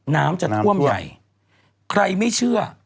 น้ำจะท่วมใหญ่ใครไม่เชื่อ